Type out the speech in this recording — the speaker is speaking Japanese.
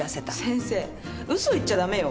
先生嘘言っちゃダメよ。